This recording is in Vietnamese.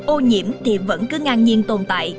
ô nhiễm thì vẫn cứ ngang nhiên tồn tại